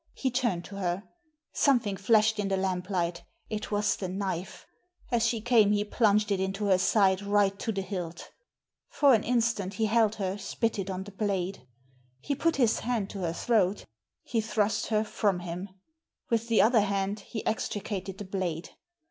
He turned to her. Sometiiing flashed in the lamp light It was the knife. As she came he plunged it into her side right to the hilt For an instant he held her spitted on the blade. He put his hand to her throat He thrust her from him. With the other hand he extricated the blade.